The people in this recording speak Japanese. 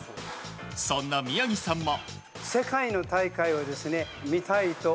そんな宮城さんも。